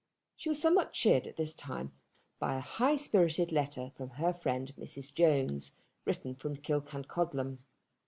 She was somewhat cheered at this time by a highspirited letter from her friend Mrs. Jones, written from Killancodlem.